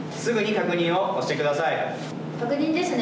確認ですね。